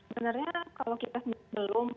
benarnya kalau kita belum